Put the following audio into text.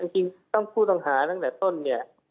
จริงตั้งผู้ต้องหาตั้งแต่ต้นเนี่ย